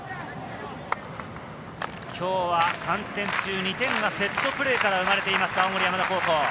今日は３点中２点がセットプレーから生まれています、青森山田高校。